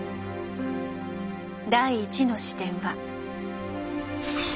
第１の視点は。